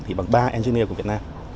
thì bằng ba engineer của việt nam